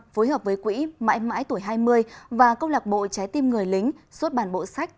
phối hợp với quỹ mãi mãi tuổi hai mươi và công lạc bộ trái tim người lính xuất bản bộ sách